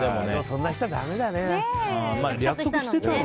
そんな人はだめだね。